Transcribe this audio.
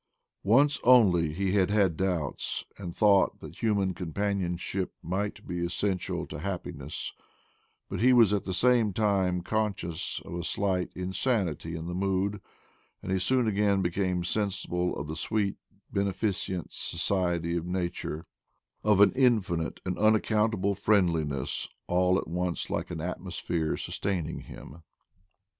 Once only he had doubts, and thought that human companionship might be essential to happiness; but he was at the same time conscious of a slight insanity in the mood; and he soon again became sensible of the sweet beneficent society of nature, of an infinite and unaccountable friendliness all at once like an atmosphere sustaining him.